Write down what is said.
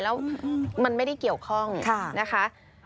แล้วมันไม่ได้เกี่ยวข้องนะคะ